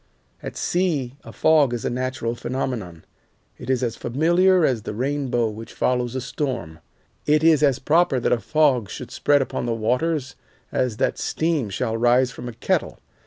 At sea a fog is a natural phenomenon. It is as familiar as the rainbow which follows a storm, it is as proper that a fog should spread upon the waters as that steam shall rise from a kettle.